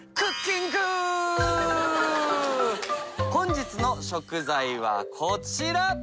本日の食材はこちら！